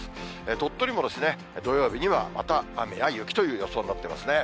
鳥取もですね、土曜日にはまた雨や雪といった予想になっていますね。